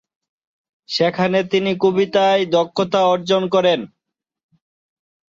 সেখানে তিনি কবিতায় দক্ষতা অর্জন করেন।